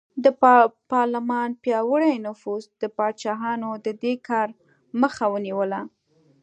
د پارلمان پیاوړي نفوذ د پاچاهانو د دې کار مخه ونیوله.